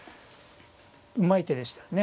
うまい手でしたね。